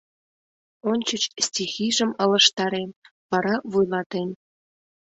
— Ончыч стихийжым ылыжтарен, вара вуйлатен.